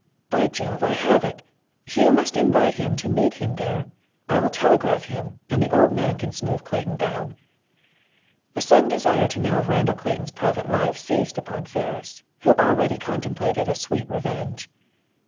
By Jove, I have it! Hugh must invite him to meet him there. I will telegraph him, and the old man can smooth Clayton down." A sudden desire to know of Randall Clayton's private life seized upon Ferris, who already contemplated a sweet revenge.